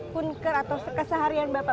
hunker atau keseharian bapak